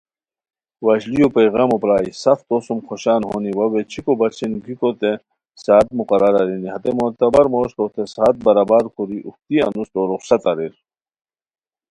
وشلیو پیغامو پرائے سف تو سُم خوشان ہونی وا ویچھیکو بچین گیکو تین ساعت مقرر ارینی ہتے معتبر موش توتین ساعت برابر کوری اوہتی انوس تو رخصت اریر